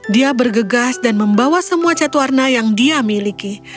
dia bergegas dan membawa semua cat warna yang dia miliki